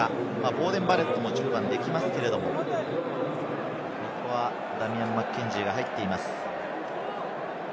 ボーデン・バレットも１０番はできますけれど、ダミアン・マッケンジーが入っています。